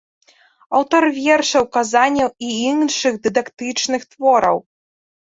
Аўтар вершаў, казанняў і іншых дыдактычных твораў.